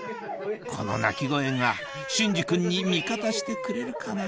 この泣き声が隼司君に味方してくれるかな？